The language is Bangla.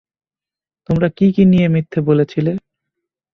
তোমরা কী কী নিয়ে মিথ্যে বলেছিলে।